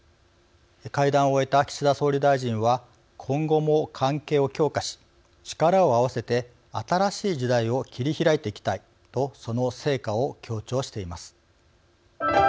会談を終えた岸田総理大臣は「今後も関係を強化し力を合わせて新しい時代を切り開いていきたい」とその成果を強調しています。